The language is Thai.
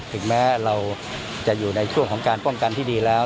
ถึงแม้เราจะอยู่ในช่วงของการป้องกันที่ดีแล้ว